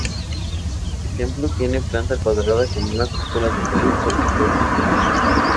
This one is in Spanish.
El templo tiene planta cuadrada, con una cúpula central sobre cuatro pilares.